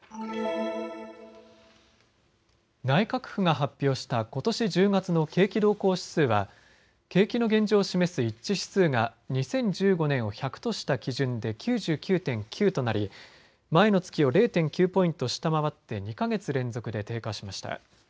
内閣府が発表したことし１０月の景気動向指数は景気の現状を示す一致指数が２０１５年を１００とした基準で９９．９となり、前の月を０．９ポイント下回って２か月連続で低下しました。